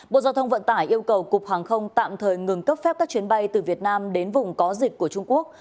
bộ giao thông vận tải yêu cầu cục hàng không tạm thời ngừng cấp phép các chuyến bay từ việt nam đến vùng có dịch của trung quốc